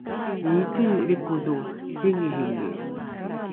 iiki lrikodho ringiringi